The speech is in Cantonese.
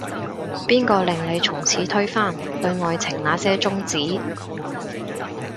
邊個令你從此推翻，對愛情那些宗旨